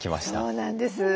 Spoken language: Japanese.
そうなんです。